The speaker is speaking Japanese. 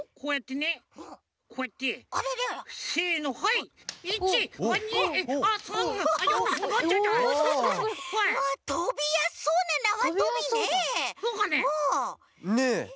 ねえ。